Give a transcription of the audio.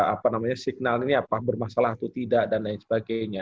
apa namanya signal ini apa bermasalah atau tidak dan lain sebagainya